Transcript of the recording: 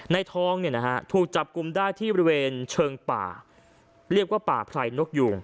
นายทองถูกจับกลุ่มได้ที่บริเวณเชิงป่าเรียกว่าป่าไพรนกยูง